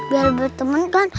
biar berteman kan